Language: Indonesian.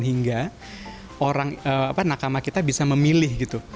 sehingga nakama kita bisa memilih gitu